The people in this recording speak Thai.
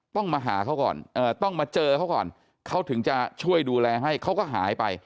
ต้องมาเจอเขาก่อนเขาถึงจะช่วยดูแลให้เขาก็หายไป